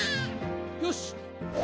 よし。